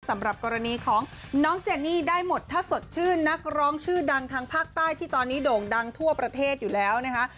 สำหรับกรณีของน้องเจนี่ได้หมดถ้าสดชื่นนักร้องชื่อดังทางภาคใต้ที่ตอนนี้โด่งดังทั่วประเทศอยู่แล้วนะคะ